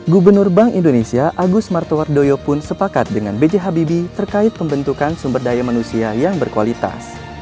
gubernur bank indonesia agus martowardoyo pun sepakat dengan b j habibie terkait pembentukan sumber daya manusia yang berkualitas